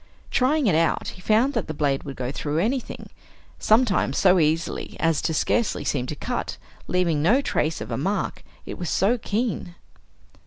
Trying it out he found that the blade would go through anything, sometimes so easily as to scarcely seem to cut, leaving no trace of a mark, it was so keen.